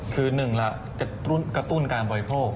คือ๑ละกระตุ้นการบริโภค